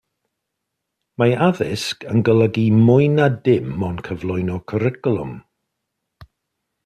Mae addysg yn golygu mwy na dim ond cyflwyno cwricwlwm.